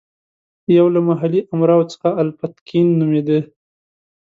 یو له محلي امراوو څخه الپتکین نومېده.